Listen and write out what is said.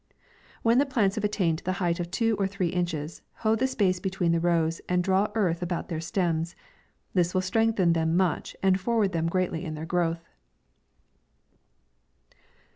When the plants have attained the height of two or three inches, hoe the space be tween the rows, and draw earth about their stems ; this will strengthen them much, and forward them greatly in their growth.